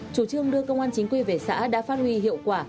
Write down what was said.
chủ trương đưa công an chính quy về xã đã phát huy hiệu quả